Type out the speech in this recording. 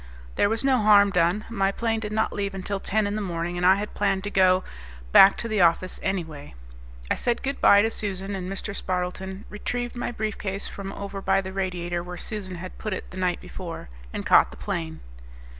There was no harm done. My plane did not leave until ten in the morning and I had planned to go back to the office anyway. I said good by to Susan and Mr. Spardleton, retrieved my briefcase from over by the radiator where Susan had put it the night before, and caught the plane.